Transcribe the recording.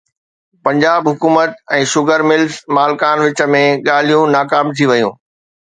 پنجاب حڪومت ۽ sugar mills مالڪن وچ ۾ ڳالهيون ناڪام ٿي ويون